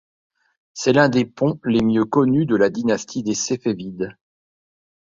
C'est l'un des ponts les mieux connus de la dynastie des Séfévides.